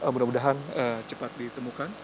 mudah mudahan cepat ditemukan